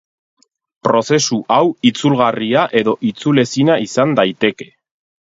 Prozesu hau itzulgarria edo itzulezina izan daiteke.